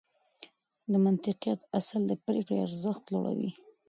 د منطقيت اصل د پرېکړې ارزښت لوړوي.